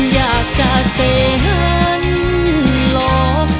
อยากจะเซฮันโหล